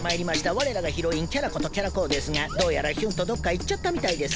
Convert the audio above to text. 我らがヒロインキャラことキャラ公ですがどうやらヒュンとどっか行っちゃったみたいです。